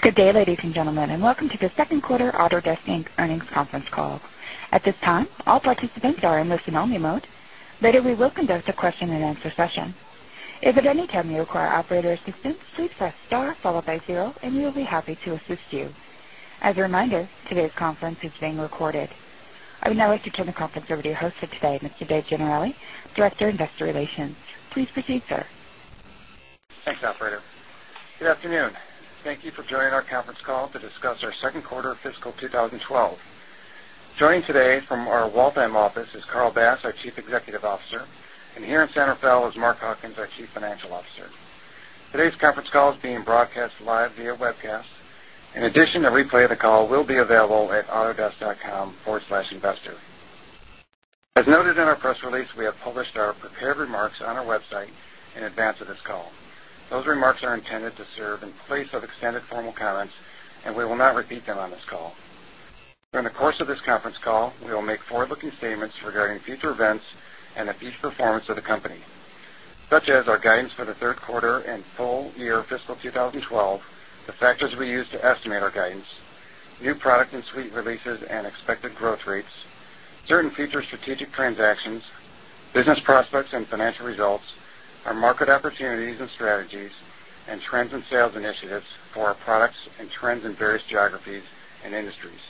Good day, ladies and gentlemen, and welcome to the second quarter Autodesk Inc. earnings conference call. At this time, all participants are in listen-only mode. Later, we will conduct a question-and-answer session. If at any time you require operator assistance, please press star followed by zero, and we will be happy to assist you. As a reminder, today's conference is being recorded. I would now like to turn the conference over to your host for today, Mr. Dave Generali, Director of Investor Relations. Please proceed, sir. Thanks, operator. Good afternoon. Thank you for joining our conference call to discuss our second quarter of fiscal 2012. Joining today from our Waltham office is Carl Bass, our Chief Executive Officer, and here in San Rafael is Mark Hawkins, our Chief Financial Officer. Today's conference call is being broadcast live via webcast. In addition, a replay of the call will be available at autodesk.com/investor. As noted in our press release, we have published our prepared remarks on our website in advance of this call. Those remarks are intended to serve in place of extended formal comments, and we will not repeat them on this call. During the course of this conference call, we will make forward-looking statements regarding future events and the future performance of the company, such as our guidance for the third quarter and full year of fiscal 2012, the factors we use to estimate our guidance, new product and suite releases, and expected growth rates, certain future strategic transactions, business prospects and financial results, our market opportunities and strategies, and trends in sales initiatives for our products and trends in various geographies and industries.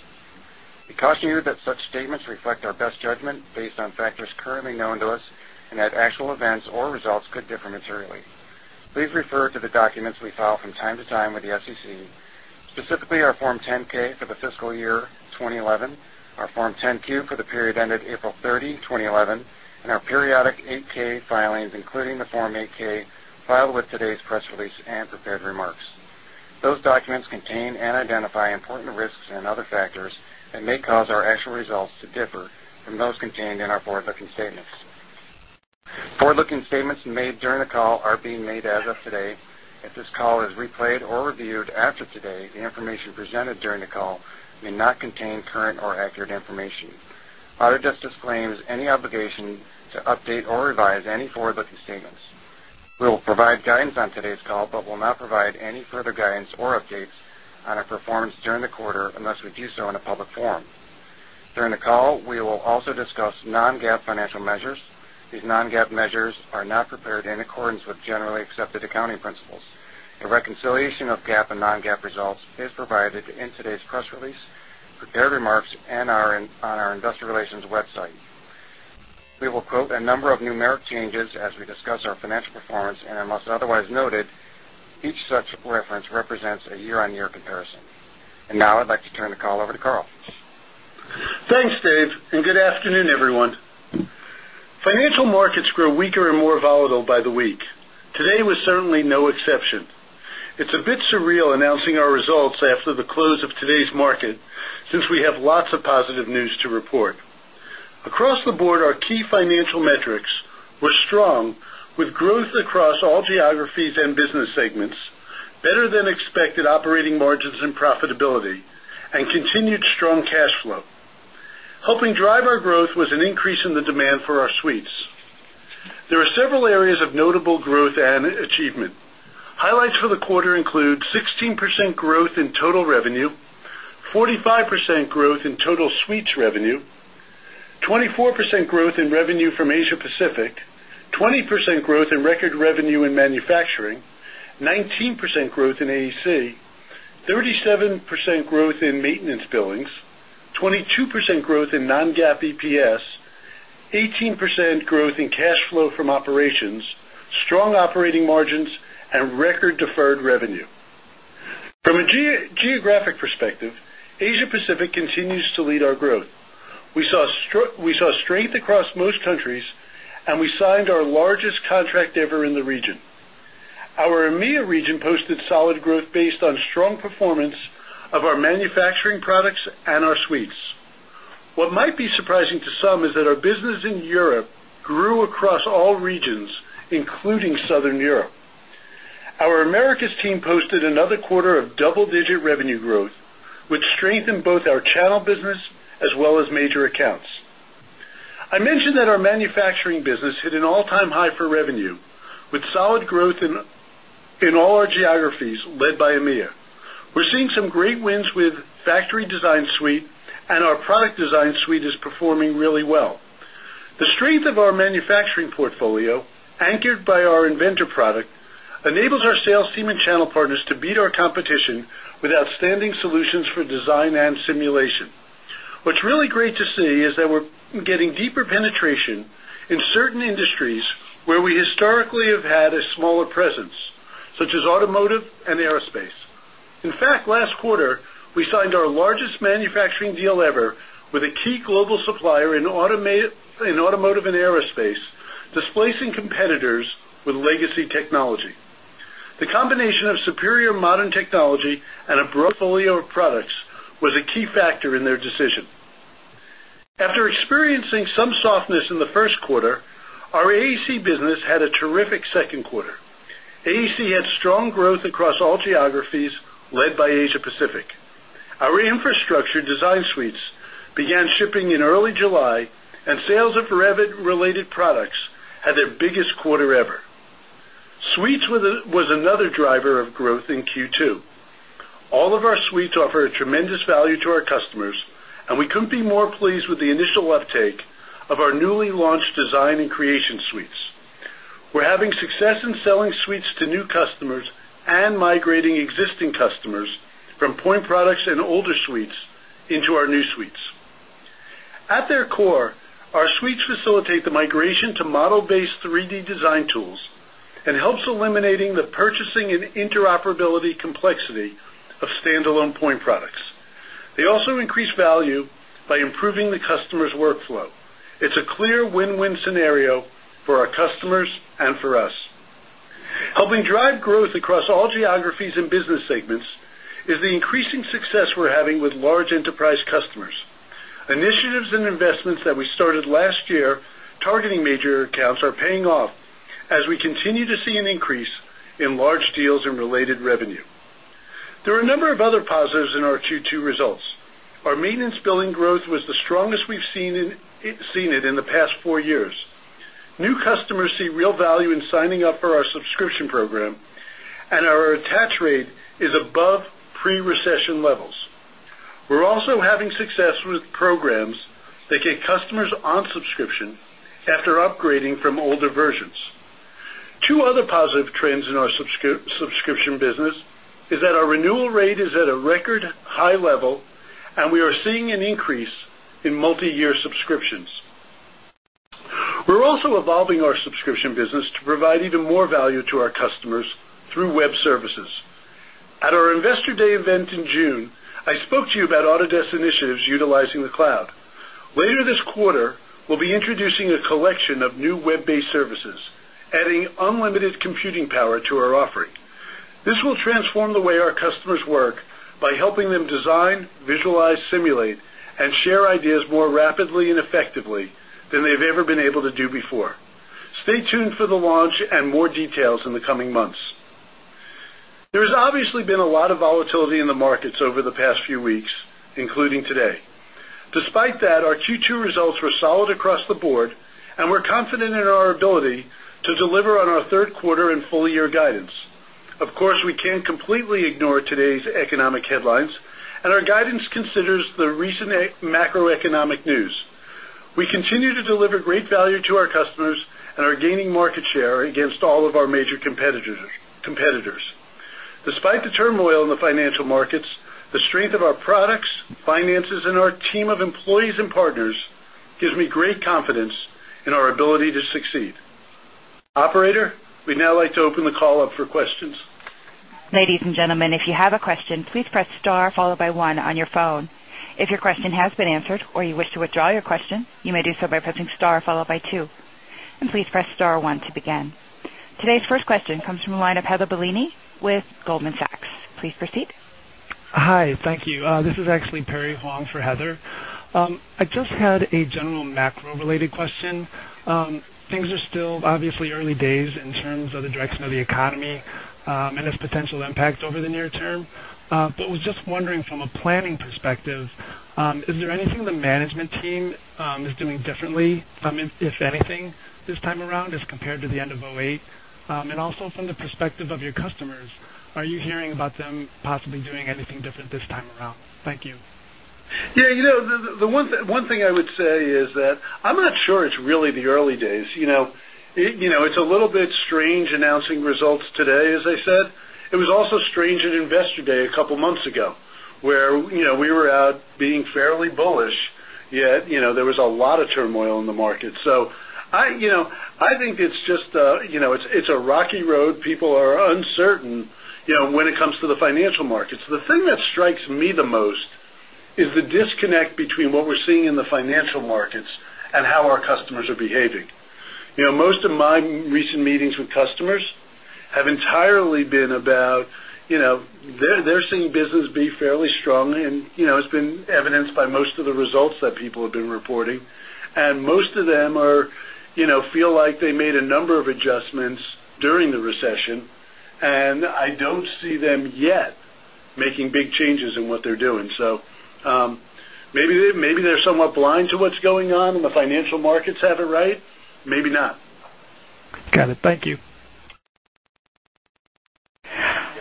We caution you that such statements reflect our best judgment based on factors currently known to us and that actual events or results could differ materially. Please refer to the documents we file from time to time with the SEC, specifically our Form 10-K for the fiscal year 2011, our Form 10-Q for the period ended April 30, 2011, and our periodic 8-K filings, including the Form 8-K filed with today's press release and prepared remarks. Those documents contain and identify important risks and other factors that may cause our actual results to differ from those contained in our forward-looking statements. Forward-looking statements made during the call are being made as of today. If this call is replayed or reviewed after today, the information presented during the call may not contain current or accurate information. Autodesk disclaims any obligation to update or revise any forward-looking statements. We will provide guidance on today's call, but will not provide any further guidance or updates on our performance during the quarter unless we do so in a public forum. During the call, we will also discuss non-GAAP financial measures. These non-GAAP measures are not prepared in accordance with generally accepted accounting principles. A reconciliation of GAAP and non-GAAP results is provided in today's press release, prepared remarks, and on our Investor Relations website. We will quote a number of numeric changes as we discuss our financial performance, and unless otherwise noted, each such reference represents a year-on-year comparison. Now I'd like to turn the call over to Carl. Thanks, Dave, and good afternoon, everyone. Financial markets grew weaker and more volatile by the week. Today was certainly no exception. It's a bit surreal announcing our results after the close of today's market since we have lots of positive news to report. Across the board, our key financial metrics were strong, with growth across all geographies and business segments, better than expected operating margins and profitability, and continued strong cash flow. Helping drive our growth was an increase in the demand for our suites. There are several areas of notable growth and achievement. Highlights for the quarter include 16% growth in total revenue, 45% growth in total suites revenue, 24% growth in revenue from Asia-Pacific, 20% growth in record revenue in manufacturing, 19% growth in AEC, 37% growth in maintenance billings, 22% growth in non-GAAP EPS, 18% growth in cash flow from operations, strong operating margins, and record deferred revenue. From a geographic perspective, Asia-Pacific continues to lead our growth. We saw strength across most countries, and we signed our largest contract ever in the region. Our EMEA region posted solid growth based on strong performance of our manufacturing products and our suites. What might be surprising to some is that our business in Europe grew across all regions, including Southern Europe. Our Americas team posted another quarter of double-digit revenue growth, with strength in both our channel business as well as major accounts. I mentioned that our manufacturing business hit an all-time high for revenue, with solid growth in all our geographies led by EMEA. We're seeing some great wins with the factory design suite, and our Product Design Suite is performing really well. The strength of our manufacturing portfolio, anchored by our Inventor product, enables our sales team and channel partners to beat our competition with outstanding solutions for design and simulation. What's really great to see is that we're getting deeper penetration in certain industries where we historically have had a smaller presence, such as automotive and aerospace. In fact, last quarter, we signed our largest manufacturing deal ever with a key global supplier in automotive and aerospace, displacing competitors with legacy technology. The combination of superior modern technology and a portfolio of products was a key factor in their decision. After experiencing some softness in the first quarter, our AEC business had a terrific second quarter. AEC had strong growth across all geographies, led by Asia-Pacific. Our infrastructure design suites began shipping in early July, and sales of Revit-related products had their biggest quarter ever. Suites were another driver of growth in Q2. All of our suites offer a tremendous value to our customers, and we couldn't be more pleased with the initial uptake of our newly launched design and creation suites. We're having success in selling suites to new customers and migrating existing customers from point products and older suites into our new suites. At their core, our suites facilitate the migration to model-based 3D design tools and help eliminate the purchasing and interoperability complexity of standalone point products. They also increase value by improving the customer's workflow. It's a clear win-win scenario for our customers and for us. Helping drive growth across all geographies and business segments is the increasing success we're having with large enterprise customers. Initiatives and investments that we started last year targeting major accounts are paying off as we continue to see an increase in large deals and related revenue. There are a number of other positives in our Q2 results. Our maintenance billing growth was the strongest we've seen it in the past four years. New customers see real value in signing up for our subscription program, and our attach rate is above pre-recession levels. We're also having success with programs that get customers on subscription after upgrading from older versions. Two other positive trends in our subscription business are that our renewal rate is at a record high level, and we are seeing an increase in multi-year subscriptions. We're also evolving our subscription business to provide even more value to our customers through web services. At our Investor Day event in June, I spoke to you about Autodesk initiatives utilizing the cloud. Later this quarter, we'll be introducing a collection of new web-based services, adding unlimited computing power to our offering. This will transform the way our customers work by helping them design, visualize, simulate, and share ideas more rapidly and effectively than they've ever been able to do before. Stay tuned for the launch and more details in the coming months. There has obviously been a lot of volatility in the markets over the past few weeks, including today. Despite that, our Q2 results were solid across the board, and we're confident in our ability to deliver on our third quarter and full year guidance. Of course, we can't completely ignore today's economic headlines, and our guidance considers the recent macroeconomic news. We continue to deliver great value to our customers and are gaining market share against all of our major competitors. Despite the turmoil in the financial markets, the strength of our products, finances, and our team of employees and partners gives me great confidence in our ability to succeed. Operator, we'd now like to open the call up for questions. Ladies and gentlemen, if you have a question, please press star followed by one on your phone. If your question has been answered or you wish to withdraw your question, you may do so by pressing star followed by two. Please press star one to begin. Today's first question comes from a line of Heather Bellini with Goldman Sachs. Please proceed. Hi, thank you. This is actually Perry Huang for Heather. I just had a general macro-related question. Things are still obviously early days in terms of the direction of the economy and its potential impact over the near term. I was just wondering, from a planning perspective, is there anything the management team is doing differently, if anything, this time around as compared to the end of 2008? Also, from the perspective of your customers, are you hearing about them possibly doing anything different this time around? Thank you. Yeah, the one thing I would say is that I'm not sure it's really the early days. It's a little bit strange announcing results today, as I said. It was also strange at Investor Day a couple of months ago where we were out being fairly bullish, yet there was a lot of turmoil in the market. I think it's just a rocky road. People are uncertain when it comes to the financial markets. The thing that strikes me the most is the disconnect between what we're seeing in the financial markets and how our customers are behaving. Most of my recent meetings with customers have entirely been about they're seeing business be fairly strong. It's been evidenced by most of the results that people have been reporting. Most of them feel like they made a number of adjustments during the recession, and I don't see them yet making big changes in what they're doing. Maybe they're somewhat blind to what's going on, and the financial markets have it right, maybe not. Got it. Thank you.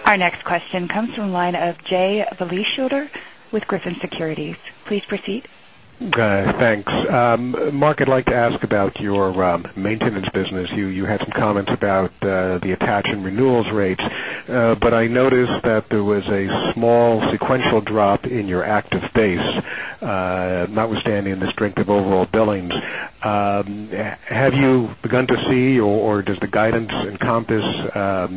Our next question comes from the line of Jay Vleeschhouwer with Griffin Securities. Please proceed. Okay, thanks. Mark, I'd like to ask about your maintenance business. You had some comments about the attach and renewal rates, but I noticed that there was a small sequential drop in your active states, notwithstanding the strength of overall billing. Have you begun to see, or does the guidance encompass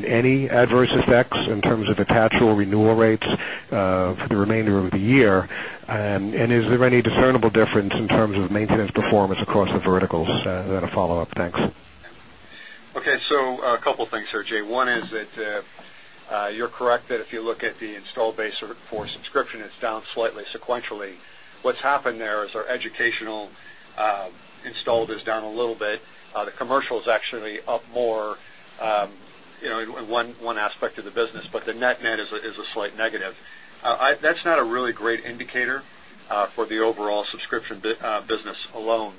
any adverse effects in terms of attach or renewal rates for the remainder of the year? Is there any discernible difference in terms of maintenance performance across the verticals? That's a follow-up. Thanks. Okay, so a couple of things, sir. Jay, one is that you're correct that if you look at the install base for subscription, it's down slightly sequentially. What's happened there is our educational installed is down a little bit. The commercial is actually up more in one aspect of the business, but the net net is a slight negative. That's not a really great indicator for the overall subscription business alone.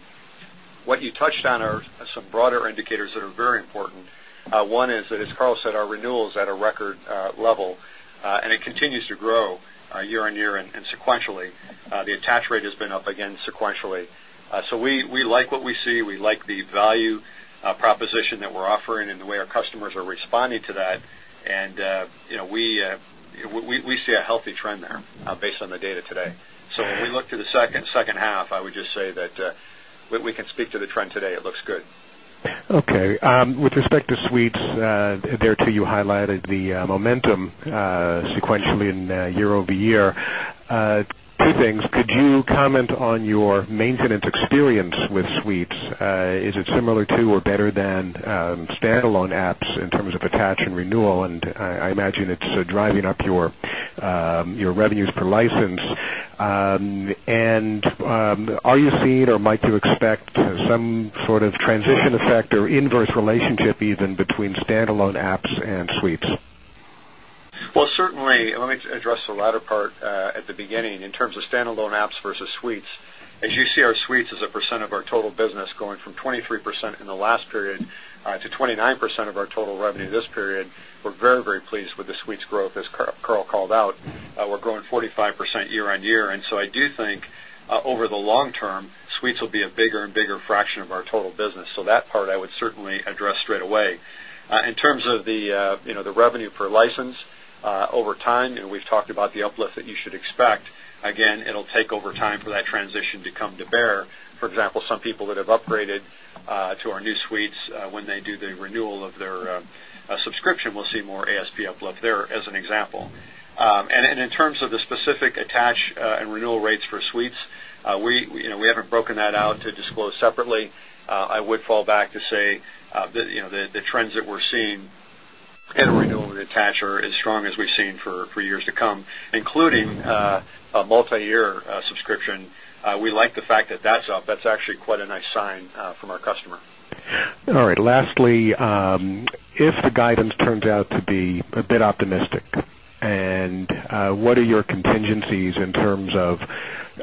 What you touched on are some broader indicators that are very important. One is that, as Carl said, our renewal is at a record level, and it continues to grow year on year and sequentially. The attach rate has been up again sequentially. We like what we see. We like the value proposition that we're offering and the way our customers are responding to that. You know, we see a healthy trend there based on the data today. When we look to the second half, I would just say that we can speak to the trend today. It looks good. Okay, with respect to suites, you highlighted the momentum sequentially in year over year. Two things. Could you comment on your maintenance experience with suites? Is it similar to or better than standalone apps in terms of attach and renewal? I imagine it's driving up your revenues per license. Are you seeing or might you expect some sort of transition effect or inverse relationship even between standalone apps and suites? Let me address the latter part at the beginning. In terms of standalone apps versus suites, as you see, our suites as a % of our total business going from 23% in the last period to 29% of our total revenue this period, we're very, very pleased with the suites growth, as Carl called out. We're growing 45% year on year. I do think over the long term, suites will be a bigger and bigger fraction of our total business. That part I would certainly address straight away. In terms of the revenue per license over time, we've talked about the uplift that you should expect. Again, it'll take over time for that transition to come to bear. For example, some people that have upgraded to our new suites when they do the renewal of their subscription will see more ASP uplift there as an example. In terms of the specific attach and renewal rates for suites, we haven't broken that out to disclose separately. I would fall back to say that the trends that we're seeing in renewal and attach are as strong as we've seen for years to come, including a multi-year subscription. We like the fact that that's up. That's actually quite a nice sign from our customer. All right, lastly, if the guidance turns out to be a bit optimistic, what are your contingencies in terms of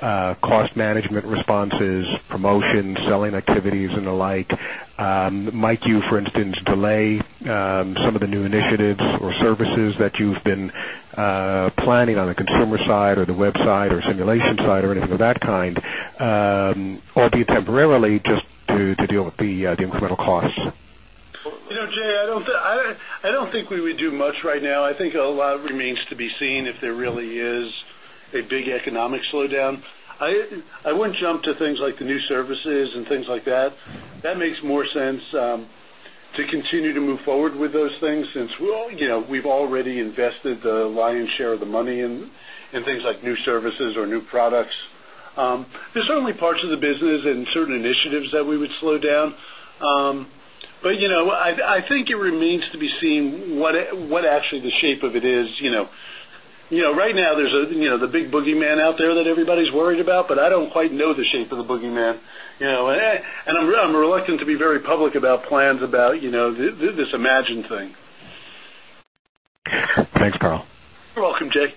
cost management responses, promotions, selling activities, and the like? Might you, for instance, delay some of the new initiatives or services that you've been planning on the consumer side or the website or simulation side or anything of that kind, or temporarily just to deal with the incremental costs? Jay, I don't think we would do much right now. I think a lot remains to be seen if there really is a big economic slowdown. I wouldn't jump to things like the new services and things like that. That makes more sense to continue to move forward with those things since we've already invested the lion's share of the money in things like new services or new products. There are certainly parts of the business and certain initiatives that we would slow down. I think it remains to be seen what actually the shape of it is. Right now there's the big boogeyman out there that everybody's worried about, but I don't quite know the shape of the boogeyman. I'm reluctant to be very public about plans about this imagined thing. Thanks, Carl. You're welcome, Jay.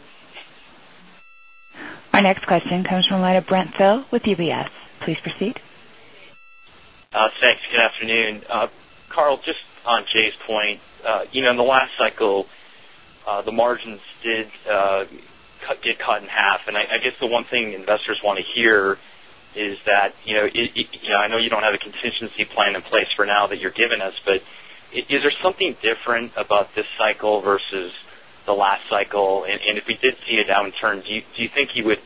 Our next question comes from the line of Brent Thill with UBS. Please proceed. Thanks. Good afternoon. Carl, just on Jay's point, in the last cycle, the margins did get cut in half. I guess the one thing investors want to hear is that, I know you don't have a contingency plan in place for now that you're giving us, but is there something different about this cycle versus the last cycle? If we did see a downturn, do you think you would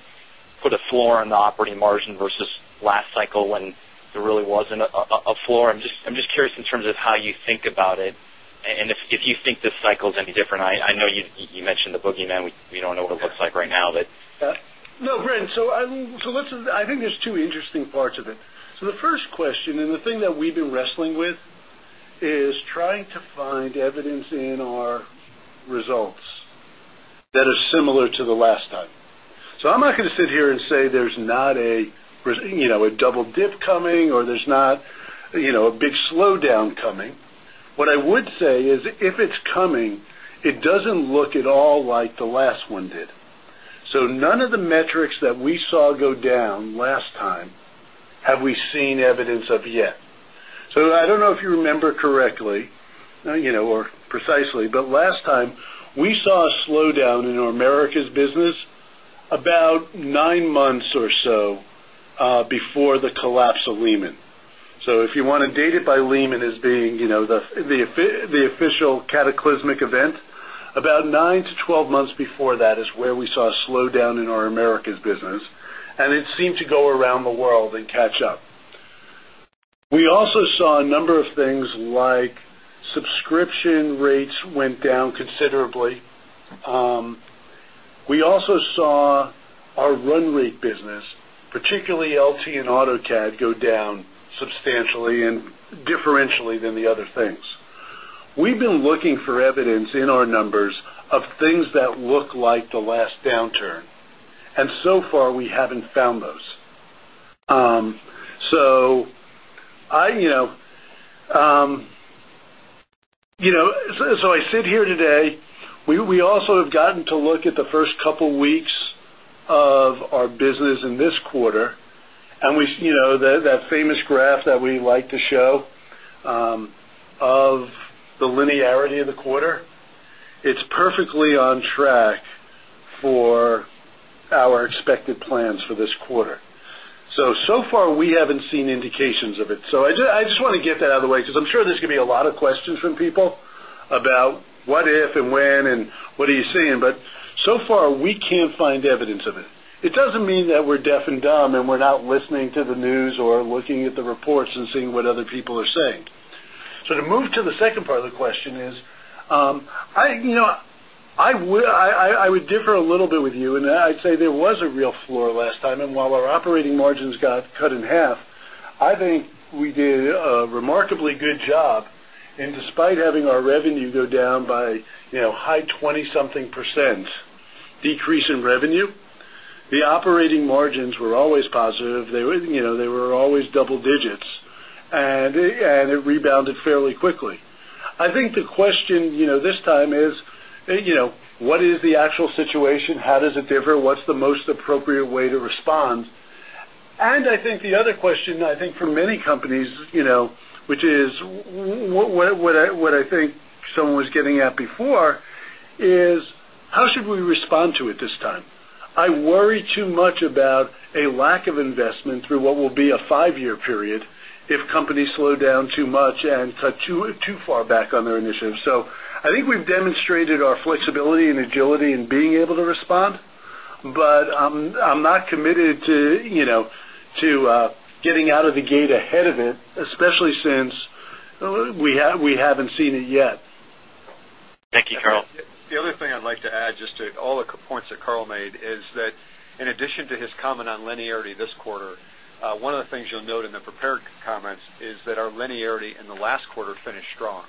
put a floor on the operating margin versus last cycle when there really wasn't a floor? I'm just curious in terms of how you think about it and if you think this cycle is any different. I know you mentioned the boogeyman, we don't know what it looks like right now. No, Brent, I think there's two interesting parts of it. The first question and the thing that we've been wrestling with is trying to find evidence in our results that are similar to the last time. I'm not going to sit here and say there's not a double dip coming or there's not a big slowdown coming. What I would say is if it's coming, it doesn't look at all like the last one did. None of the metrics that we saw go down last time have we seen evidence of yet. I don't know if you remember correctly or precisely, but last time we saw a slowdown in our Americas business about nine months or so before the collapse of Lehman. If you want to date it by Lehman as being the official cataclysmic event, about nine to twelve months before that is where we saw a slowdown in our Americas business, and it seemed to go around the world and catch up. We also saw a number of things like subscription rates went down considerably. We also saw our run-rate business, particularly LT and AutoCAD, go down substantially and differentially than the other things. We've been looking for evidence in our numbers of things that look like the last downturn, and so far we haven't found those. I sit here today, we also have gotten to look at the first couple of weeks of our business in this quarter, and that famous graph that we like to show of the linearity of the quarter, it's perfectly on track for our expected plans for this quarter. So far we haven't seen indications of it. I just want to get that out of the way because I'm sure there's going to be a lot of questions from people about what if and when and what are you seeing, but so far we can't find evidence of it. It doesn't mean that we're deaf and dumb and we're not listening to the news or looking at the reports and seeing what other people are saying. To move to the second part of the question, I would differ a little bit with you, and I'd say there was a real floor last time, and while our operating margins got cut in half, I think we did a remarkably good job. Despite having our revenue go down by high 20-something % decrease in revenue, the operating margins were always positive. They were always double digits, and it rebounded fairly quickly. I think the question this time is, what is the actual situation? How does it differ? What's the most appropriate way to respond? I think the other question, for many companies, which is what I think someone was getting at before, is how should we respond to it this time? I worry too much about a lack of investment through what will be a five-year period if companies slow down too much and cut too far back on their initiatives. I think we've demonstrated our flexibility and agility in being able to respond, but I'm not committed to getting out of the gate ahead of it, especially since we haven't seen it yet. Thank you, Carl. The other thing I'd like to add just to all the points that Carl made is that in addition to his comment on linearity this quarter, one of the things you'll note in the prepared comments is that our linearity in the last quarter finished strong.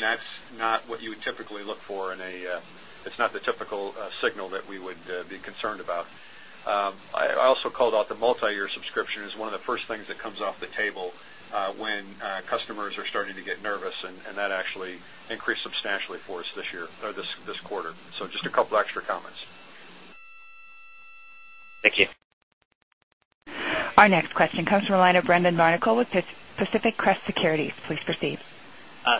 That's not what you would typically look for in a, it's not the typical signal that we would be concerned about. I also called out the multi-year subscription as one of the first things that comes off the table when customers are starting to get nervous, and that actually increased substantially for us this year, or this quarter. Just a couple of extra comments. Thank you. Our next question comes from the line of Brendan Barnicle with Pacific Crest Securities. Please proceed.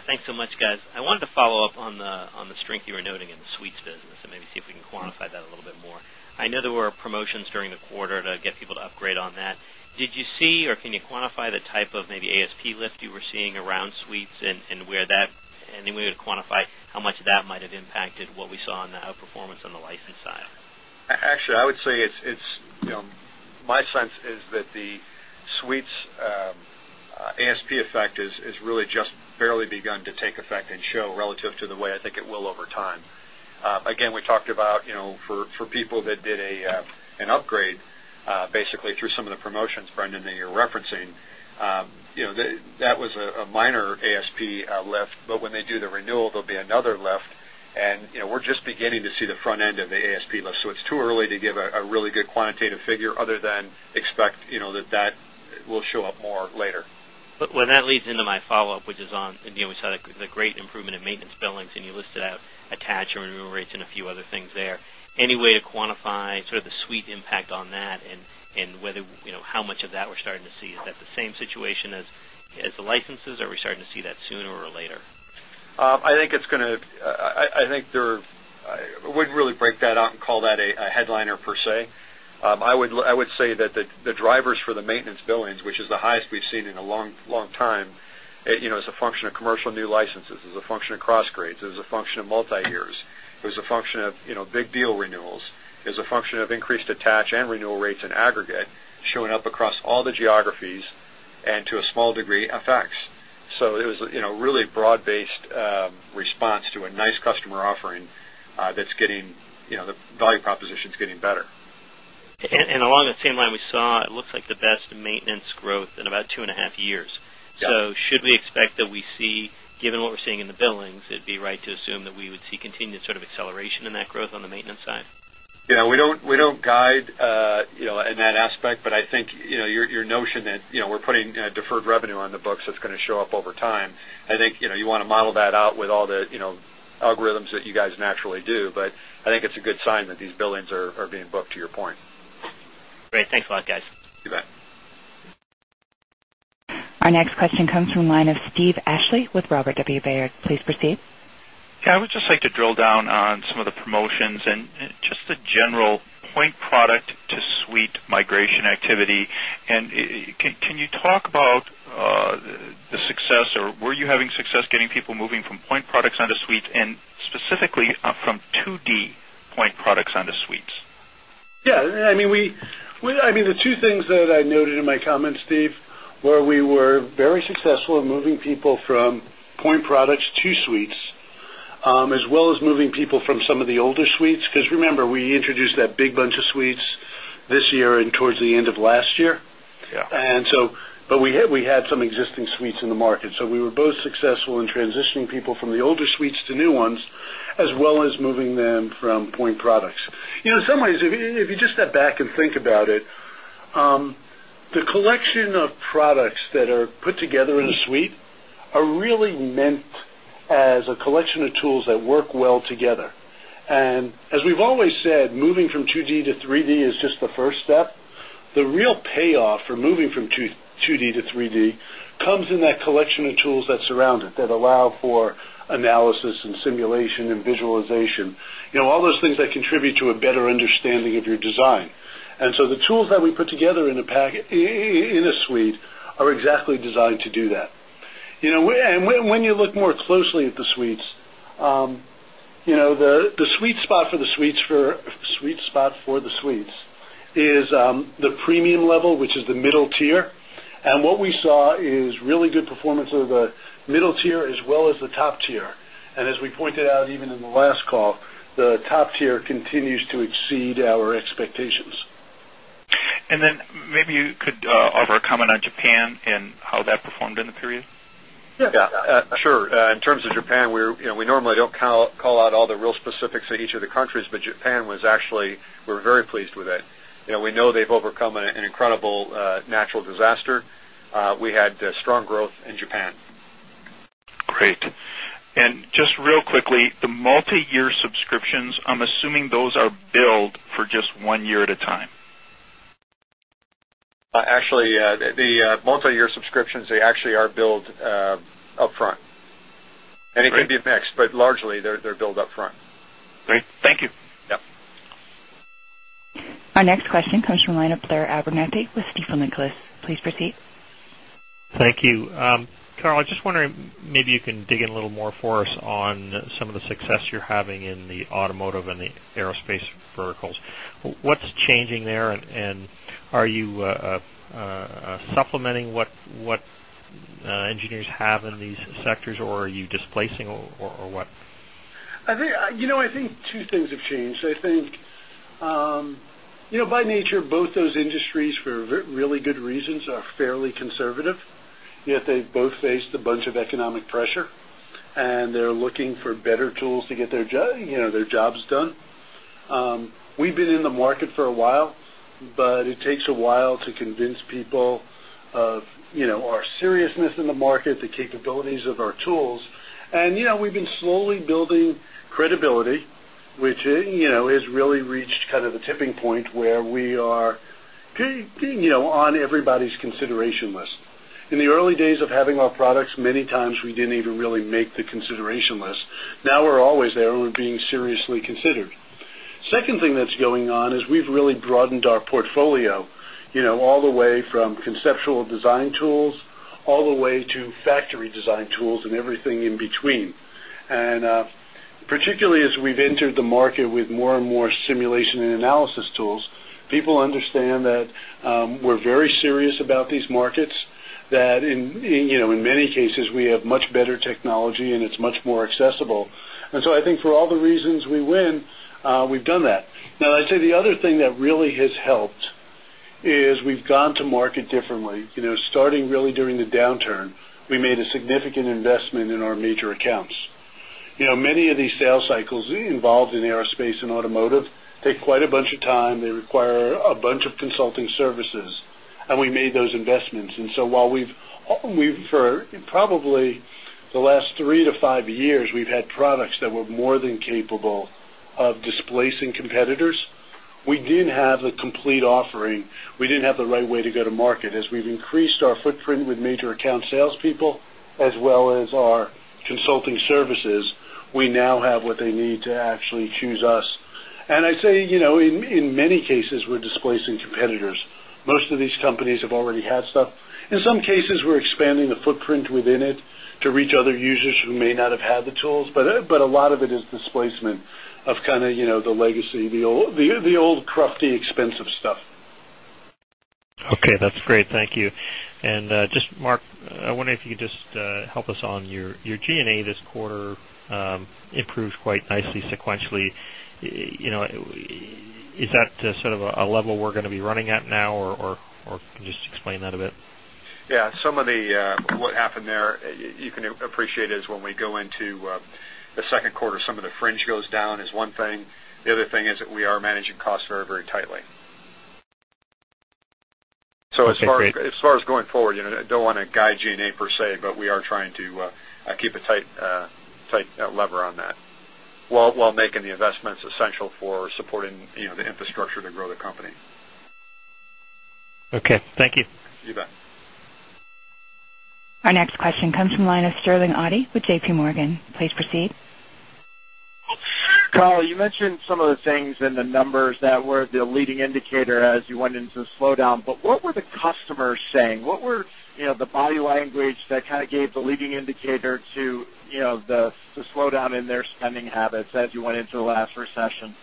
Thanks so much, guys. I wanted to follow up on the strength you were noting in the suites business and maybe see if we can quantify that a little bit more. I know there were promotions during the quarter to get people to upgrade on that. Did you see or can you quantify the type of maybe ASP lift you were seeing around suites and where that, and then we would quantify how much of that might have impacted what we saw in the outperformance on the license side? I would say it's, you know, my sense is that the suites ASP effect has really just barely begun to take effect and show relative to the way I think it will over time. We talked about, you know, for people that did an upgrade basically through some of the promotions, Brendan, that you're referencing, that was a minor ASP lift, but when they do the renewal, there'll be another lift. We're just beginning to see the front end of the ASP lift. It's too early to give a really good quantitative figure other than expect, you know, that that will show up more later. That leads into my follow-up, which is on, you know, we saw the great improvement in maintenance billings, and you listed out attach or renewal rates and a few other things there. Any way to quantify sort of the suite impact on that and whether, you know, how much of that we're starting to see? Is that the same situation as the licenses? Are we starting to see that sooner or later? I think it's going to, I think they wouldn't really break that out and call that a headliner per se. I would say that the drivers for the maintenance billings, which is the highest we've seen in a long, long time, as a function of commercial new licenses, as a function of cross-grades, as a function of multi-years, as a function of big deal renewals, as a function of increased attach and renewal rates in aggregate showing up across all the geographies and to a small degree FX. It was a really broad-based response to a nice customer offering that's getting the value proposition's getting better. Along that same line, we saw it looks like the best maintenance growth in about two and a half years. Should we expect that we see, given what we're seeing in the billings, it'd be right to assume that we would see continued sort of acceleration in that growth on the maintenance side? We don't guide in that aspect, but I think your notion that we're putting deferred revenue on the books that's going to show up over time, I think you want to model that out with all the algorithms that you guys naturally do. I think it's a good sign that these billings are being booked to your point. Great. Thanks a lot, guys. You bet. Our next question comes from the line of Steve Ashley with Robert W. Baird. Please proceed. I would just like to drill down on some of the promotions and just the general point product to suite migration activity. Can you talk about the success or were you having success getting people moving from point products onto suites, and specifically from 2D point products onto suites? Yeah, I mean, the two things though that I noted in my comments, Steve, were we were very successful in moving people from point products to suites, as well as moving people from some of the older suites, because remember we introduced that big bunch of suites this year and towards the end of last year. Yeah. We had some existing suites in the market. We were both successful in transitioning people from the older suites to new ones, as well as moving them from point products. You know, in some ways, if you just step back and think about it, the collection of products that are put together in a suite are really meant as a collection of tools that work well together. As we've always said, moving from 2D to 3D is just the first step. The real payoff for moving from 2D to 3D comes in that collection of tools that surround it that allow for analysis and simulation and visualization. You know, all those things that contribute to a better understanding of your design. The tools that we put together in a pack in a suite are exactly designed to do that. You know, and when you look more closely at the suites, the sweet spot for the suites is the premium level, which is the middle tier. What we saw is really good performance of the middle tier as well as the top tier. As we pointed out even in the last call, the top tier continues to exceed our expectations. Could you offer a comment on Japan and how that performed in the period? Yeah, sure. In terms of Japan, you know, we normally don't call out all the real specifics of each of the countries, but Japan was actually, we were very pleased with it. You know, we know they've overcome an incredible natural disaster. We had strong growth in Japan. Great. Just real quickly, the multi-year subscriptions, I'm assuming those are billed for just one year at a time. Actually, the multi-year subscriptions are billed upfront. Thank you. It can be mixed, but largely they're billed upfront. Thank you. Yep. Our next question comes from the line of Blair Abernethy with Stifel Nicolaus. Please proceed. Thank you. Carl, I'm just wondering, maybe you can dig in a little more for us on some of the success you're having in the automotive and the aerospace verticals. What's changing there, and are you supplementing what engineers have in these sectors, or are you displacing, or what? I think two things have changed. By nature, both those industries for really good reasons are fairly conservative. They both faced a bunch of economic pressure and they're looking for better tools to get their jobs done. We've been in the market for a while, but it takes a while to convince people of our seriousness in the market, the capabilities of our tools. We've been slowly building credibility, which has really reached kind of the tipping point where we are on everybody's consideration list. In the early days of having our products, many times we didn't even really make the consideration list. Now we're always there and we're being seriously considered. The second thing that's going on is we've really broadened our portfolio, all the way from conceptual design tools all the way to factory design tools and everything in between. Particularly as we've entered the market with more and more simulation and analysis tools, people understand that we're very serious about these markets, that in many cases we have much better technology and it's much more accessible. For all the reasons we win, we've done that. The other thing that really has helped is we've gone to market differently. Starting during the downturn, we made a significant investment in our major accounts. Many of these sales cycles involved in aerospace and automotive take quite a bunch of time, they require a bunch of consulting services, and we made those investments. While for probably the last three to five years, we've had products that were more than capable of displacing competitors, we didn't have the complete offering. We didn't have the right way to go to market. As we've increased our footprint with major account salespeople as well as our consulting services, we now have what they need to actually choose us. In many cases we're displacing competitors. Most of these companies have already had stuff. In some cases, we're expanding the footprint within it to reach other users who may not have had the tools, but a lot of it is displacement of the legacy, the old, the old crufty, expensive stuff. Okay, that's great. Thank you. Mark, I wonder if you could just help us on your G&A. This quarter improved quite nicely sequentially. Is that sort of a level we're going to be running at now, or can you just explain that a bit? Some of the, what happened there, you can appreciate is when we go into the second quarter, some of the fringe goes down, is one thing. The other thing is that we are managing costs very, very tightly. As far as going forward, you know, I don't want to guide G&A per se, but we are trying to keep a tight lever on that while making the investments essential for supporting, you know, the infrastructure to grow the company. Okay, thank you. You bet. Our next question comes from the line of Sterling Auty with JP Morgan. Please proceed. Carl, you mentioned some of the things in the numbers that were the leading indicator as you went into the slowdown. What were the customers saying? What were the body language that kind of gave the leading indicator to the slowdown in their spending habits as you went into the last recession?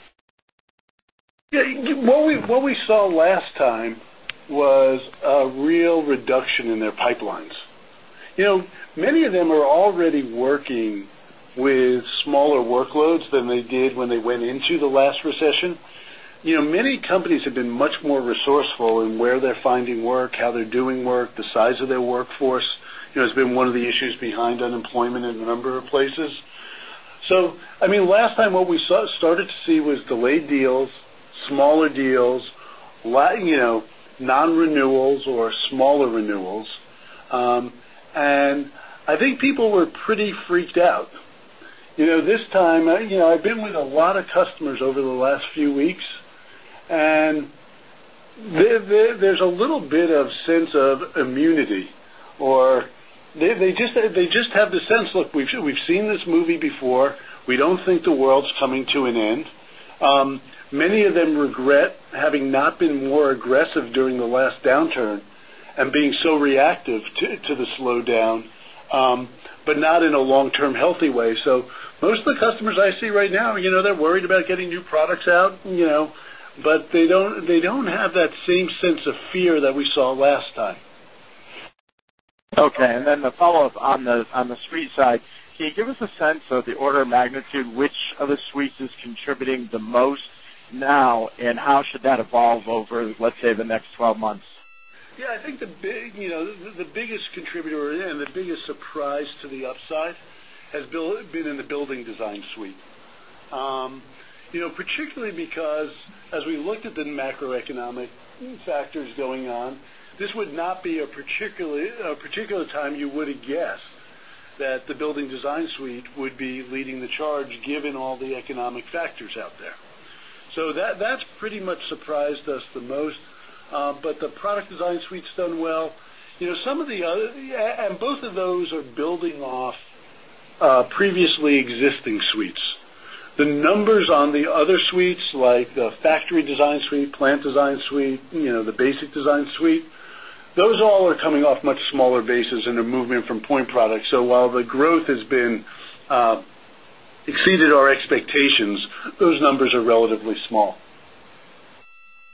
Yeah, what we saw last time was a real reduction in their pipelines. Many of them are already working with smaller workloads than they did when they went into the last recession. Many companies have been much more resourceful in where they're finding work, how they're doing work, the size of their workforce. It's been one of the issues behind unemployment in a number of places. Last time what we started to see was delayed deals, smaller deals, non-renewals or smaller renewals. I think people were pretty freaked out. This time, I've been with a lot of customers over the last few weeks, and there's a little bit of sense of immunity or they just have the sense, look, we've seen this movie before. We don't think the world's coming to an end. Many of them regret having not been more aggressive during the last downturn and being so reactive to the slowdown, but not in a long-term healthy way. Most of the customers I see right now, they're worried about getting new products out, but they don't have that same sense of fear that we saw last time. Okay, and then the follow-up on the suite side, can you give us a sense of the order of magnitude which of the suites is contributing the most now, and how should that evolve over, let's say, the next 12 months? Yeah, I think the big, you know, the biggest contributor and the biggest surprise to the upside has been in the Building Design Suite. Particularly because as we looked at the macroeconomic factors going on, this would not be a particular time you would have guessed that the Building Design Suite would be leading the charge given all the economic factors out there. That's pretty much surprised us the most, but the Product Design Suite's done well. Some of the other, and both of those are building off previously existing suites. The numbers on the other suites, like the Factory Design Suite, Plant Design Suite, you know, the Basic Design Suite, those all are coming off much smaller bases and are moving from point products. While the growth has exceeded our expectations, those numbers are relatively small.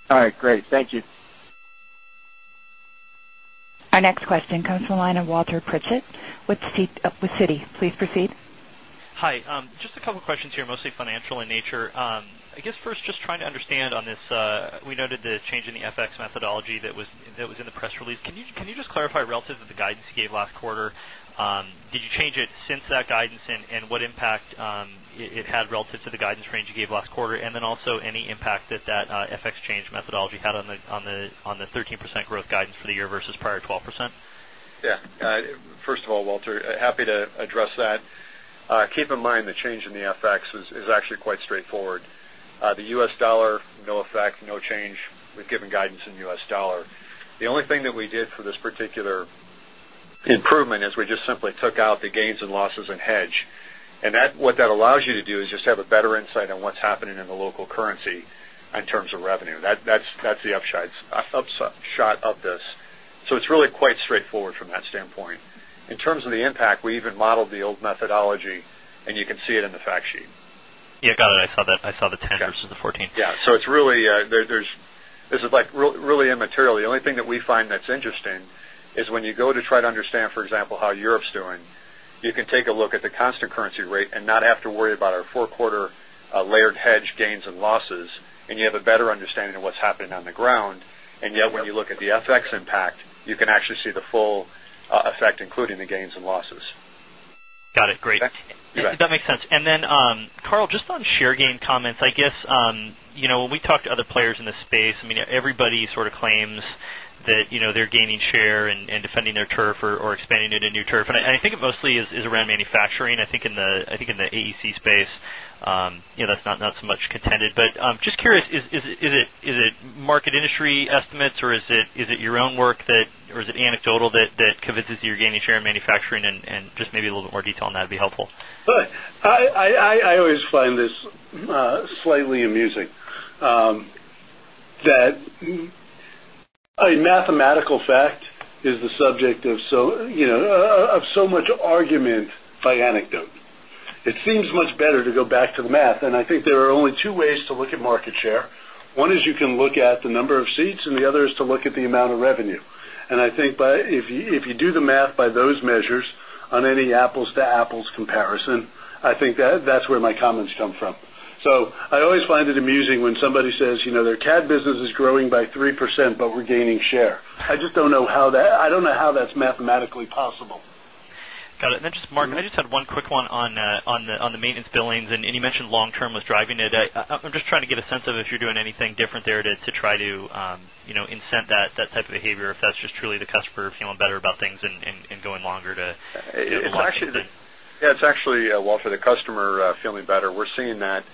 All right, great. Thank you. Our next question comes from the line of Walter Pritchard with Citi. Please proceed. Hi, just a couple of questions here, mostly financial in nature. I guess first just trying to understand on this, we noted the change in the FX methodology that was in the press release. Can you just clarify relative to the guidance you gave last quarter? Did you change it since that guidance, and what impact it had relative to the guidance range you gave last quarter? Also, any impact that that FX change methodology had on the 13% growth guidance for the year versus prior 12%? First of all, Walter, happy to address that. Keep in mind the change in the FX was actually quite straightforward. The U.S. dollar, no effect, no change. We've given guidance in the U.S. dollar. The only thing that we did for this particular improvement is we just simply took out the gains and losses and hedged. What that allows you to do is just have a better insight on what's happening in the local currency in terms of revenue. That's the upshot of this. It's really quite straightforward from that standpoint. In terms of the impact, we even modeled the old methodology and you can see it in the fact sheet. Yeah, got it. I saw the 10% versus the 14%. Yeah, it's really, this is like really immaterial. The only thing that we find that's interesting is when you go to try to understand, for example, how Europe's doing, you can take a look at the constant currency rate and not have to worry about our four-quarter layered hedge gains and losses, and you have a better understanding of what's happening on the ground. Yet when you look at the FX impact, you can actually see the full effect, including the gains and losses. Got it. Great. That makes sense. Carl, just on share gain comments, I guess, you know, when we talk to other players in this space, I mean, everybody sort of claims that, you know, they're gaining share and defending their turf or expanding it into new turf. I think it mostly is around manufacturing. I think in the AEC space, you know, that's not so much contended. I'm just curious, is it market industry estimates or is it your own work, or is it anecdotal that convinces you you're gaining share in manufacturing? Maybe a little bit more detail on that would be helpful. I always find this slightly amusing that a mathematical fact is the subject of so much argument by anecdote. It seems much better to go back to the math. I think there are only two ways to look at market share. One is you can look at the number of seats and the other is to look at the amount of revenue. I think if you do the math by those measures on any apples-to-apples comparison, that's where my comments come from. I always find it amusing when somebody says, you know, their CAD business is growing by 3%, but we're gaining share. I just don't know how that's mathematically possible. Got it. Mark, I just had one quick one on the maintenance billings, and you mentioned long-term was driving it. I'm just trying to get a sense of if you're doing anything different there to try to incent that type of behavior, if that's just truly the customer feeling better about things and going to a longer distance. Yeah, it's actually, Walter, the customer feeling better. We're seeing that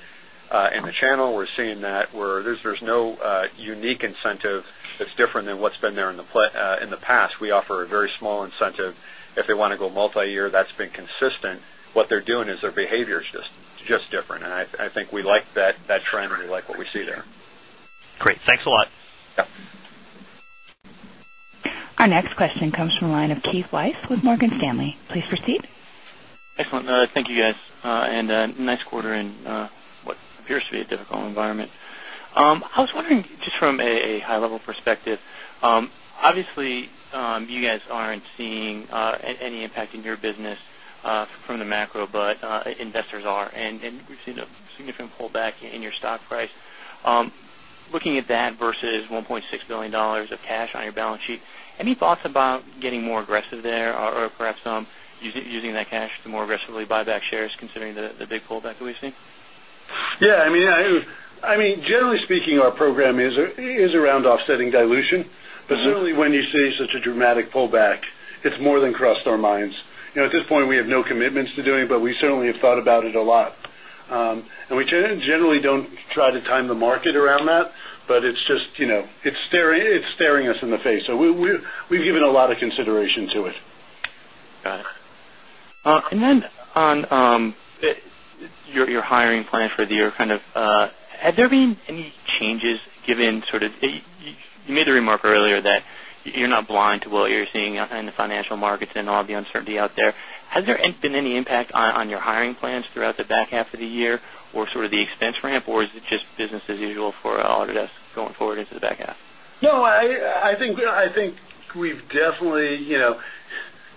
in the channel. We're seeing that where there's no unique incentive that's different than what's been there in the past. We offer a very small incentive. If they want to go multi-year, that's been consistent. What they're doing is their behavior is just different. I think we like that trend and we like what we see there. Great, thanks a lot. Our next question comes from the line of Keith Weiss with Morgan Stanley. Please proceed. Excellent. Thank you, guys. Nice quarter in what appears to be a difficult environment. I was wondering, just from a high-level perspective, obviously you guys aren't seeing any impact in your business from the macro, but investors are. We've seen a significant pullback in your stock price. Looking at that versus $1.6 billion of cash on your balance sheet, any thoughts about getting more aggressive there or perhaps using that cash to more aggressively buy back shares considering the big pullback that we've seen? Generally speaking, our program is around offsetting dilution. Certainly, when you see such a dramatic pullback, it's more than crossed our minds. At this point we have no commitments to doing it, but we certainly have thought about it a lot. We generally don't try to time the market around that, but it's just, you know, it's staring us in the face. We've given a lot of consideration to it. Got it. On your hiring plan for the year, have there been any changes given you made the remark earlier that you're not blind to what you're seeing in the financial markets and all the uncertainty out there? Has there been any impact on your hiring plans throughout the back half of the year or the expense ramp, or is it just business as usual for Autodesk going forward into the back half? No, I think we've definitely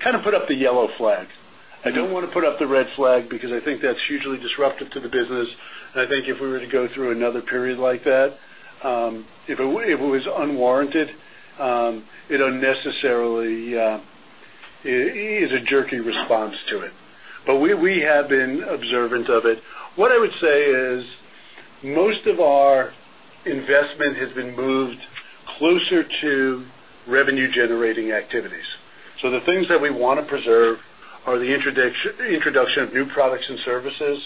kind of put up the yellow flag. I don't want to put up the red flag because I think that's hugely disruptive to the business. I think if we were to go through another period like that, if it was unwarranted, it unnecessarily is a jerky response to it. We have been observant of it. What I would say is most of our investment has been moved closer to revenue-generating activities. The things that we want to preserve are the introduction of new products and services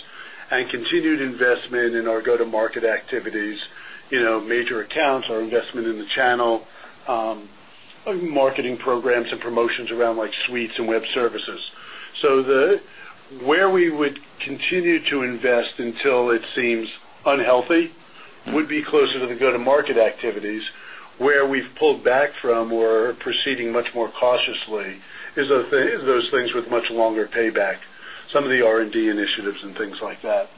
and continued investment in our go-to-market activities, major accounts, our investment in the channel, marketing programs, and promotions around suites and web-based services. Where we would continue to invest until it seems unhealthy would be closer to the go-to-market activities. Where we've pulled back from or are proceeding much more cautiously is those things with much longer payback, some of the R&D initiatives and things like that.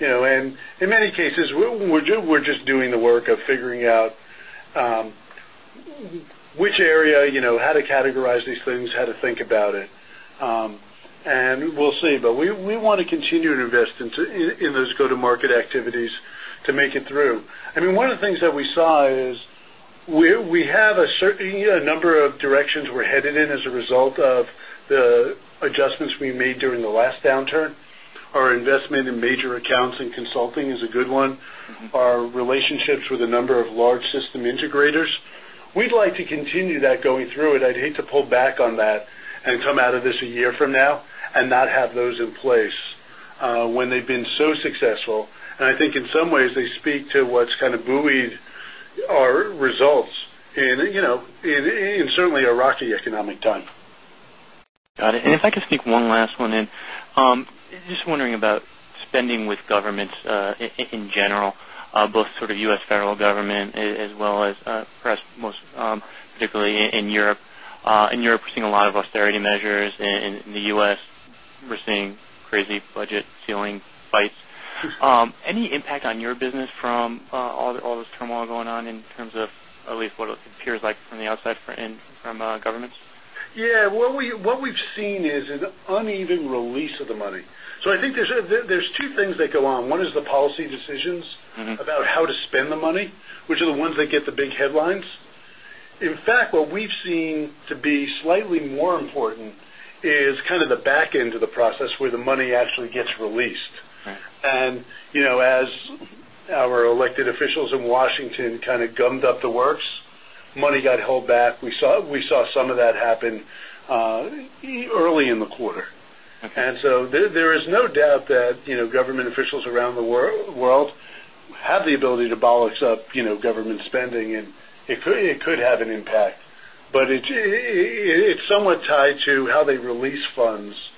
In many cases, we're just doing the work of figuring out which area, how to categorize these things, how to think about it. We'll see, but we want to continue to invest in those go-to-market activities to make it through. One of the things that we saw is we have a number of directions we're headed in as a result of the adjustments we made during the last downturn. Our investment in major accounts and consulting is a good one. Our relationships with a number of large system integrators, we'd like to continue that going through it. I'd hate to pull back on that and come out of this a year from now and not have those in place when they've been so successful. I think in some ways they speak to what's kind of buoyed our results in certainly a rocky economic time. Got it. If I could sneak one last one in, just wondering about spending with governments in general, both sort of U.S. federal government as well as perhaps most particularly in Europe. In Europe, we're seeing a lot of austerity measures. In the U.S., we're seeing crazy budget ceiling bites. Any impact on your business from all this turmoil going on in terms of at least what it appears like from the outside from governments? Yeah, what we've seen is an uneven release of the money. I think there's two things that go on. One is the policy decisions about how to spend the money, which are the ones that get the big headlines. In fact, what we've seen to be slightly more important is kind of the back end of the process where the money actually gets released. As our elected officials in Washington kind of gummed up the works, money got held back. We saw some of that happen early in the quarter. There is no doubt that government officials around the world have the ability to balance up government spending and it could have an impact. It's somewhat tied to how they release funds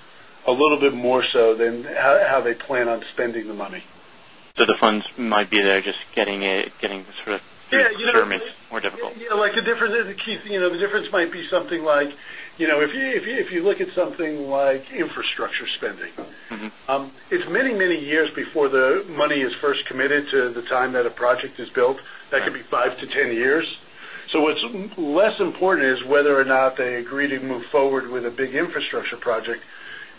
a little bit more so than how they plan on spending the money. The funds might be there, just getting it, getting the sort of procurement more difficult. Yeah, the difference is the key. The difference might be something like, if you look at something like infrastructure spending, it's many, many years before the money is first committed to the time that a project is built. That could be five to ten years. What's less important is whether or not they agree to move forward with a big infrastructure project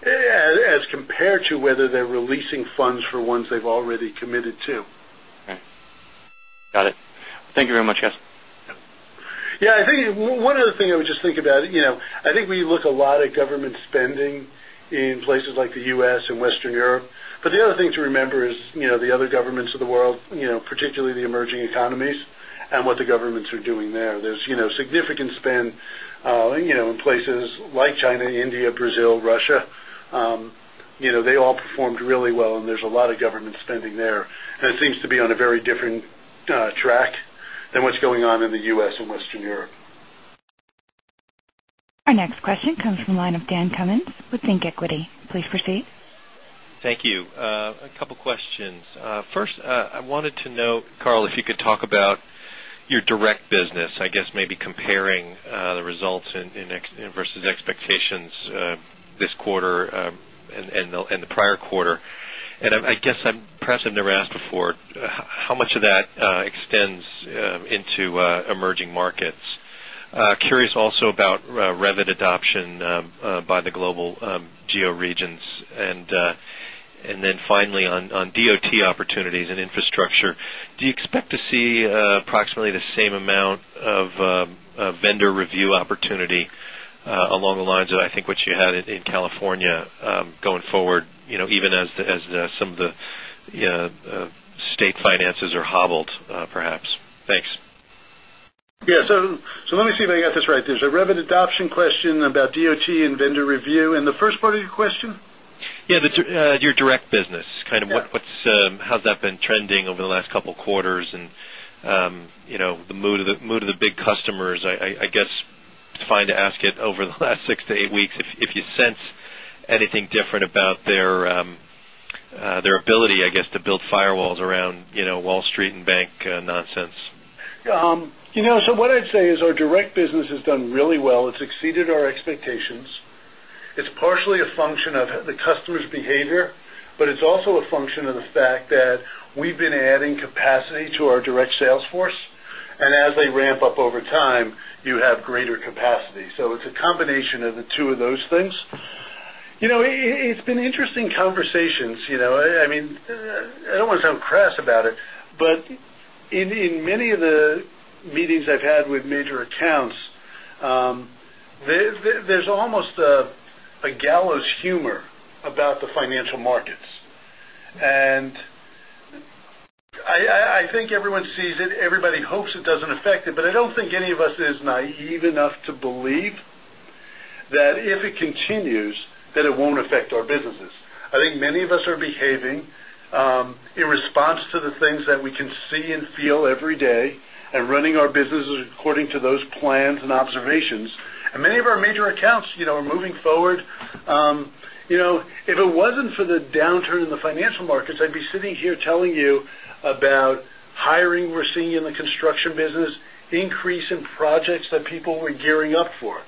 as compared to whether they're releasing funds for ones they've already committed to. Got it. Thank you very much, guys. Yeah, I think one other thing I would just think about, I think we look a lot at government spending in places like the U.S. and Western Europe. The other thing to remember is the other governments of the world, particularly the emerging economies and what the governments are doing there. There's significant spend in places like China, India, Brazil, Russia. They all performed really well and there's a lot of government spending there. It seems to be on a very different track than what's going on in the U.S. and Western Europe. Our next question comes from the line of Dan Cummins with ThinkEquity. Please proceed. Thank you. A couple of questions. First, I wanted to note, Carl, if you could talk about your direct business, I guess maybe comparing the results versus expectations this quarter and the prior quarter. I guess I'm perhaps I've never asked before how much of that extends into emerging markets. Curious also about Revit adoption by the global georegions. Finally, on DOT opportunities and infrastructure, do you expect to see approximately the same amount of vendor review opportunity along the lines of I think what you had in California going forward, even as some of the state finances are hobbled perhaps? Thanks. Yeah, let me see if I got this right. There's a Revit adoption question about DOT and vendor review. The first part of your question? Yeah, your direct business, kind of how's that been trending over the last couple of quarters, and the mood of the big customers? I guess to ask it over the last six to eight weeks, if you sense anything different about their ability to build firewalls around, you know, Wall Street and bank nonsense. Yeah, you know, what I'd say is our direct business has done really well. It's exceeded our expectations. It's partially a function of the customer's behavior, but it's also a function of the fact that we've been adding capacity to our direct sales force. As they ramp up over time, you have greater capacity. It's a combination of the two of those things. It's been interesting conversations. I don't want to sound crass about it, but in many of the meetings I've had with major accounts, there's almost a gallows humor about the financial markets. I think everyone sees it. Everybody hopes it doesn't affect it, but I don't think any of us is naive enough to believe that if it continues, that it won't affect our businesses. I think many of us are behaving in response to the things that we can see and feel every day and running our businesses according to those plans and observations. Many of our major accounts are moving forward. If it wasn't for the downturn in the financial markets, I'd be sitting here telling you about hiring we're seeing in the construction business, increase in projects that people were gearing up for.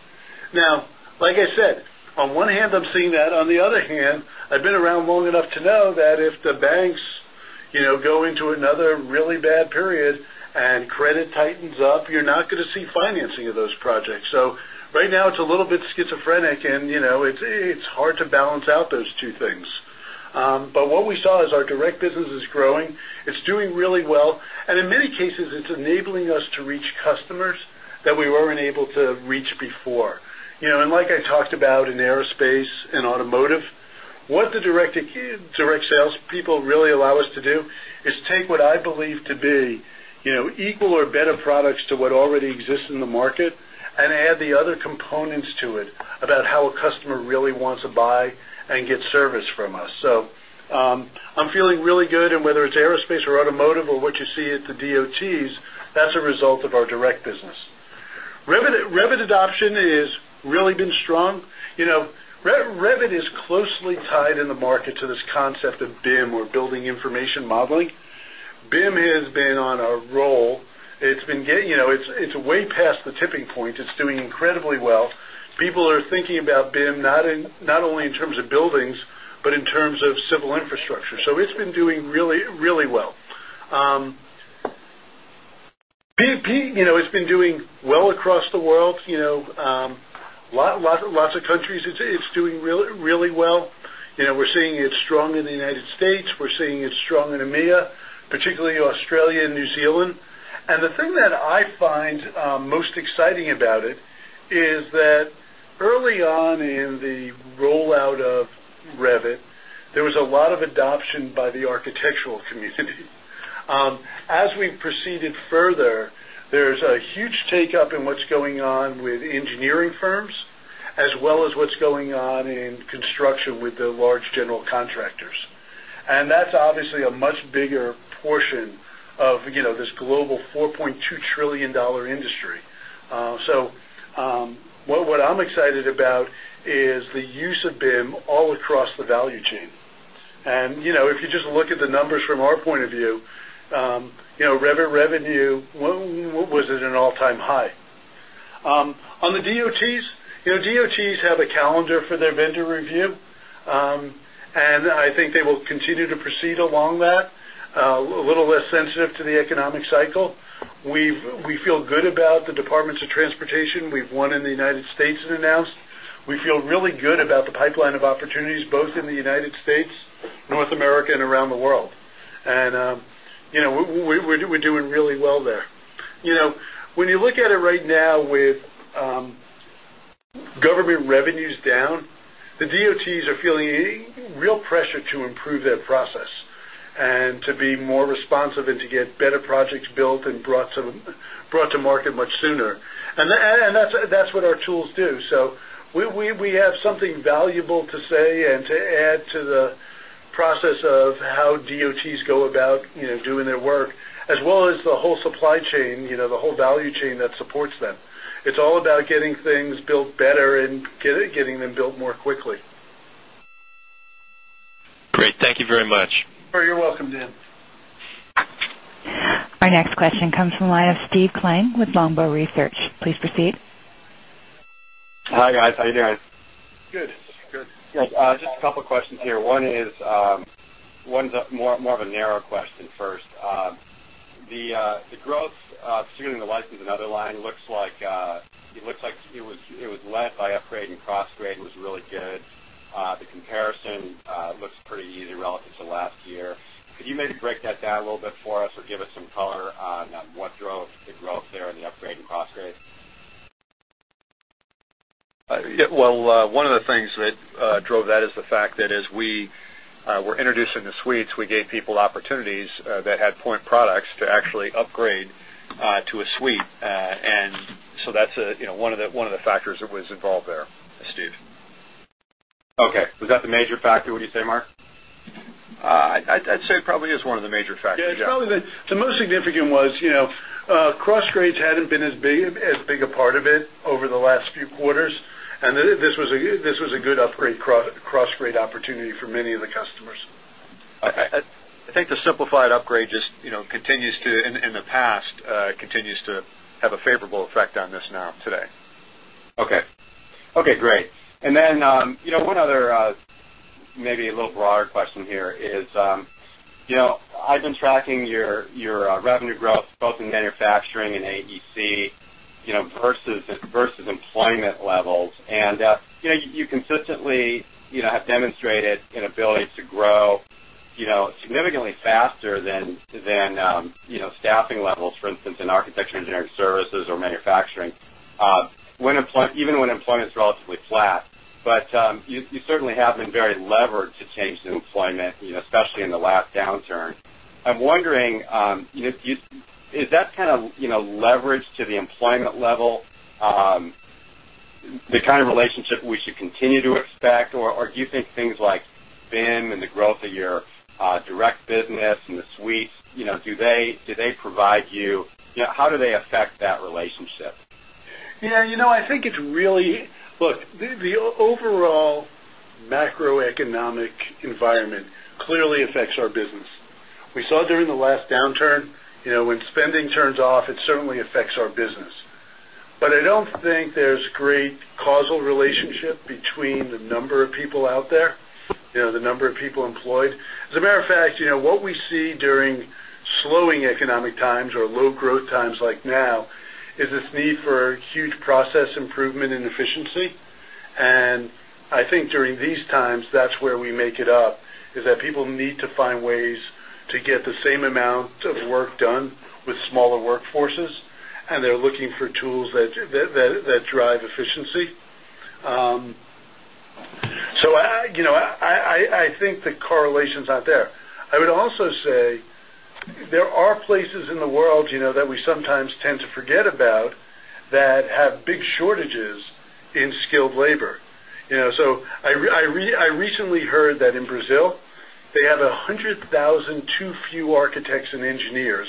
Now, like I said, on one hand, I'm seeing that. On the other hand, I've been around long enough to know that if the banks go into another really bad period and credit tightens up, you're not going to see financing of those projects. Right now it's a little bit schizophrenic and it's hard to balance out those two things. What we saw is our direct business is growing. It's doing really well. In many cases, it's enabling us to reach customers that we weren't able to reach before. Like I talked about in aerospace and automotive, what the direct sales people really allow us to do is take what I believe to be equal or better products to what already exists in the market and add the other components to it about how a customer really wants to buy and get service from us. I'm feeling really good. Whether it's aerospace or automotive or what you see at the DOTs, that's a result of our direct business. Revit adoption has really been strong. Revit is closely tied in the market to this concept of BIM or Building Information Modeling. BIM has been on a roll. It's been getting, it's way past the tipping point. It's doing incredibly well. People are thinking about BIM not only in terms of buildings, but in terms of civil infrastructure. It's been doing really, really well. It's been doing well across the world. In lots of countries, it's doing really, really well. We're seeing it strong in the United States. We're seeing it strong in EMEA, particularly Australia and New Zealand. The thing that I find most exciting about it is that early on in the rollout of Revit, there was a lot of adoption by the architectural community. As we proceeded further, there's a huge take-up in what's going on with engineering firms, as well as what's going on in construction with the large general contractors. That's obviously a much bigger portion of this global $4.2 trillion industry. What I'm excited about is the use of BIM all across the value chain. If you just look at the numbers from our point of view, Revit revenue was at an all-time high. On the DOTs, DOTs have a calendar for their vendor review. I think they will continue to proceed along that, a little less sensitive to the economic cycle. We feel good about the Departments of Transportation. We've won in the United States and announced. We feel really good about the pipeline of opportunities, both in the United States, North America, and around the world. We're doing really well there. When you look at it right now with government revenues down, the DOTs are feeling real pressure to improve their process and to be more responsive and to get better projects built and brought to market much sooner. That's what our tools do. We have something valuable to say and to add to the process of how DOTs go about doing their work, as well as the whole supply chain, the whole value chain that supports them. It's all about getting things built better and getting them built more quickly. Great, thank you very much. Oh, you're welcome, Dan. Our next question comes from the line of Steve Koenig with Longbow Research. Please proceed. Hi, guys. How are you doing? Good. Good. Just a couple of questions here. One is more of a narrow question first. The growth, seeing the license and other line, looks like it was led by upgrade and cross-grade. It was really good. The comparison looks pretty easy relative to last year. Could you maybe break that down a little bit for us or give us some color on what drove the growth there in the upgrade and cross-grade? One of the things that drove that is the fact that as we were introducing the suites, we gave people opportunities that had point products to actually upgrade to a suite. That's one of the factors that was involved there. Okay, we've got the major factor. What do you say, Mark? I'd say probably just one of the major factors. Yeah, it's probably the most significant was, you know, cross-grades hadn't been as big a part of it over the last few quarters. This was a good upgrade cross-grade opportunity for many of the customers. I think the simplified upgrade continues to have a favorable effect on this now today. Okay, great. One other, maybe a little broader question here is, I've been tracking your revenue growth both in manufacturing and AEC versus employment levels. You consistently have demonstrated an ability to grow significantly faster than staffing levels, for instance, in architecture, engineering services, or manufacturing, even when employment's relatively flat. You certainly have been very levered to change the employment, especially in the last downturn. I'm wondering, is that kind of leverage to the employment level the kind of relationship we should continue to expect, or do you think things like BIM and the growth of your direct business and the suites, how do they affect that relationship? Yeah, you know, I think it's really, look, the overall macroeconomic environment clearly affects our business. We saw during the last downturn, you know, when spending turns off, it certainly affects our business. I don't think there's a great causal relationship between the number of people out there, you know, the number of people employed. As a matter of fact, what we see during slowing economic times or low growth times like now is this need for huge process improvement and efficiency. I think during these times, that's where we make it up, is that people need to find ways to get the same amount of work done with smaller workforces. They're looking for tools that drive efficiency. I think the correlation's not there. I would also say there are places in the world, you know, that we sometimes tend to forget about that have big shortages in skilled labor. I recently heard that in Brazil, they have 102 few architects and engineers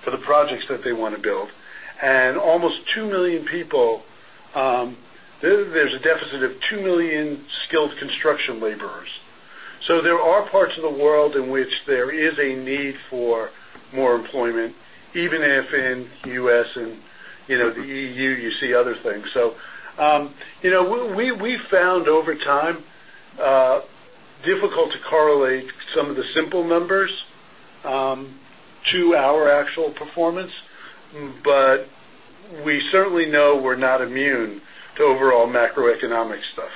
for the projects that they want to build. Almost 2 million people, there's a deficit of 2 million skilled construction laborers. There are parts of the world in which there is a need for more employment, even if in the U.S. and, you know, the EU, you see other things. We found over time difficult to correlate some of the simple numbers to our actual performance. We certainly know we're not immune to overall macroeconomic stuff.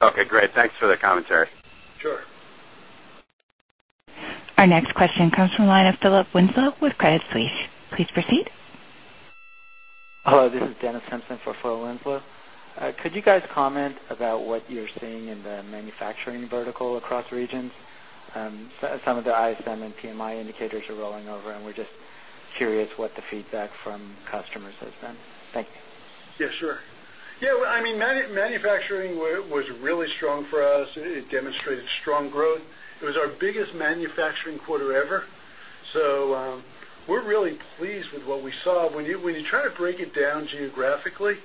Okay, great. Thanks for the commentary. Sure. Our next question comes from the line of Philip Winslow with Credit Suisse. Please proceed. Hello, this is Dan Simson for Phil Wislow. Could you guys comment about what you're seeing in the manufacturing vertical across regions? Some of the ISM and PMI indicators are rolling over, and we're just curious what the feedback from customers has been. Thank you. Yeah, sure. I mean, manufacturing was really strong for us. It demonstrated strong growth. It was our biggest manufacturing quarter ever. We're really pleased with what we saw. When you try to break it down geographically,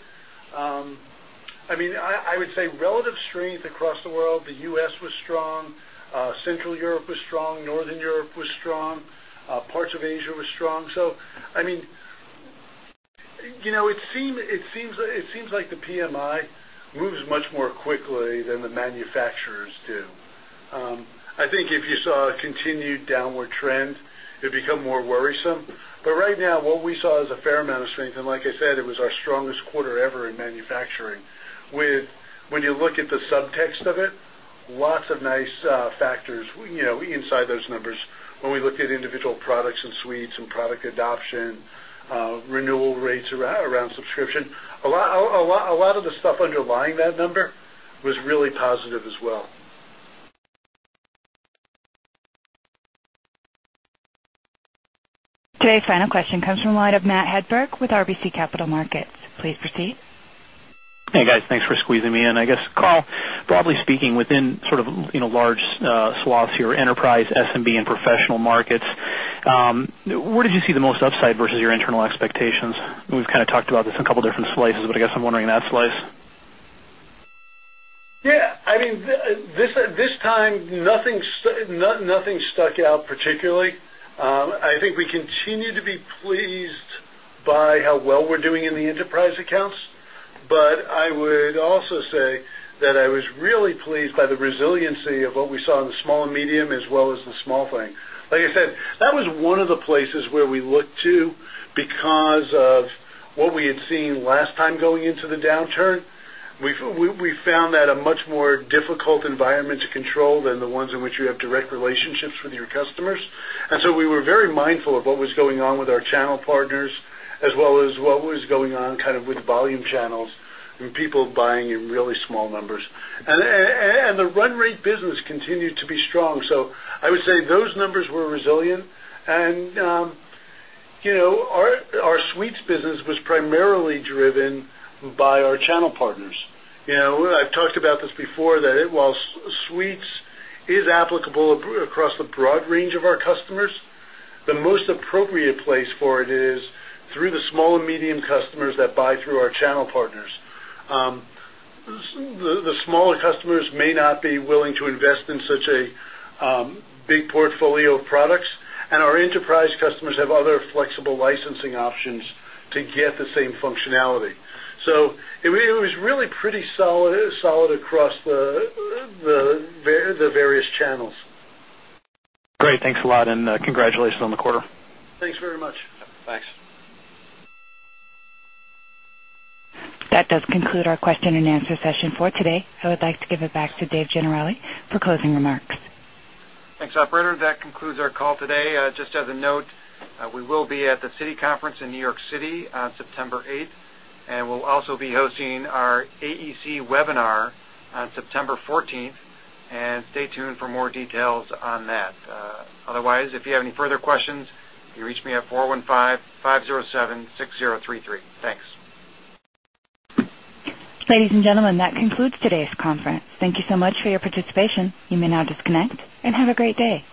I would say relative strength across the world, the U.S. was strong, Central Europe was strong, Northern Europe was strong, parts of Asia were strong. It seems like the PMI moves much more quickly than the manufacturers do. I think if you saw a continued downward trend, it would become more worrisome. Right now, what we saw is a fair amount of strength. Like I said, it was our strongest quarter ever in manufacturing. When you look at the subtext of it, lots of nice factors inside those numbers. When we looked at individual products and suites and product adoption, renewal rates around subscription, a lot of the stuff underlying that number was really positive as well. Today's final question comes from a line of Matt Hedberg with RBC Capital Markets. Please proceed. Hey guys, thanks for squeezing me in. I guess, Carl, broadly speaking, within sort of, you know, large swaths here, enterprise, SMB, and professional markets, where did you see the most upside versus your internal expectations? We've kind of talked about this in a couple of different slices, but I guess I'm wondering that slice. Yeah, I mean, this time, nothing stuck out particularly. I think we continue to be pleased by how well we're doing in the enterprise accounts. I would also say that I was really pleased by the resiliency of what we saw in the small and medium as well as the small thing. Like I said, that was one of the places where we looked to because of what we had seen last time going into the downturn. We found that a much more difficult environment to control than the ones in which you have direct relationships with your customers. We were very mindful of what was going on with our channel partners, as well as what was going on with volume channels and people buying in really small numbers. The run-rate business continued to be strong. I would say those numbers were resilient. Our suites business was primarily driven by our channel partners. I've talked about this before that while suites is applicable across the broad range of our customers, the most appropriate place for it is through the small and medium customers that buy through our channel partners. The smaller customers may not be willing to invest in such a big portfolio of products. Our enterprise customers have other flexible licensing options to get the same functionality. It was really pretty solid across the various channels. Great, thanks a lot. Congratulations on the quarter. Thanks very much. Thanks. That does conclude our question and answer session for today. I would like to give it back to Dave Generali for closing remarks. Thanks, operator. That concludes our call today. Just as a note, we will be at the Citi Conference in New York City on September 8th. We'll also be hosting our AEC webinar on September 14th. Stay tuned for more details on that. Otherwise, if you have any further questions, you can reach me at 415-507-6033. Thanks. Ladies and gentlemen, that concludes today's conference. Thank you so much for your participation. You may now disconnect and have a great day.